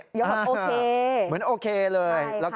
ยกกับโอเคมันโอเคเลยครับ